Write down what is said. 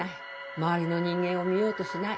周りの人間を見ようとしない。